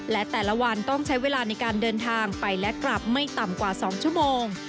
และแต่ละวันต้องใช้เวลาในการเดินทางไปและกลับไม่ต่ำกว่า๒ชั่วโมง